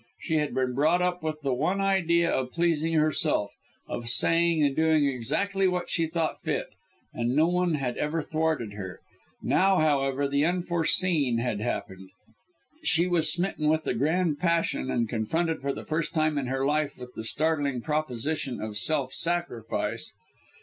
She had been brought up with the one idea of pleasing herself, of saying and doing exactly what she thought fit; and no one had ever thwarted her. Now, however, the unforeseen had happened. She was smitten with the grand passion, and confronted for the first time in her life with the startling proposition of "self sacrifice."